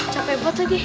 capai banget lagi